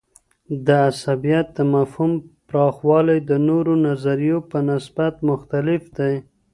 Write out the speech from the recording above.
د عصبيت د مفهوم پراخوالی د نورو نظریو په نسبت مختلف دی.